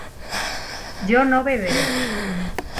yo no beberé